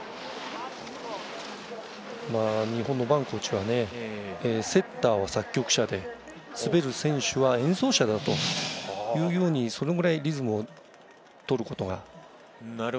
日本の伴コーチからセッターは作曲者で滑る選手は演奏者だというようにそれぐらいリズムを取ることが。